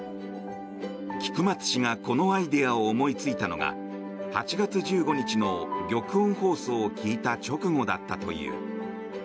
菊松氏が、このアイデアを思いついたのが８月１５日の玉音放送を聞いた直後だったという。